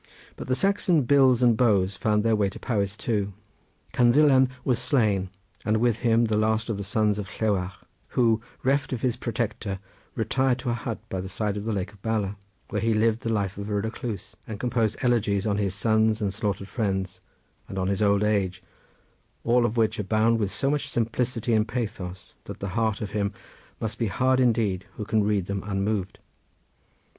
But the Saxon bills and bows found their way to Powys too. Cynddylan was slain, and with him the last of the sons of Llewarch, who, reft of his protector, retired to a hut by the side of the lake of Bala, where he lived the life of a recluse and composed elegies on his sons and slaughtered friends, and on his old age, all of which abound with so much simplicity and pathos that the heart of him must be hard indeed who can read them unmoved.